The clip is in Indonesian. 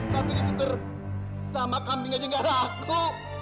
tapi dituker sama kambing aja gak raku